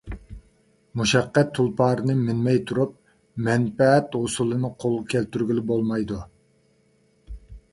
مۇشەققەت تۇلپارىنى مىنمەي تۇرۇپ مەنپەئەت ھوسۇلىنى قولغا كەلتۈرگىلى بولمايدۇ.